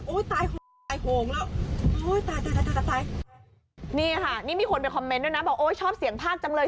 โอ้ยตายตายนี้ค่ะนี่มีคนไปด้วยนะบอกโอ้ยชอบเสียงภาคจำเลย